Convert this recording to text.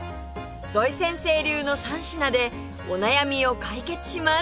土井先生流の３品でお悩みを解決します